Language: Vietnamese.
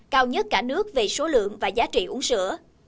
cao nhất cả nước về số lượng và giá trị uống sữa